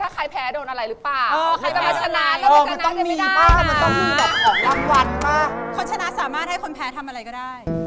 คล้อนชนะสามารถให้คนแพ้ทำอะไรก็ได้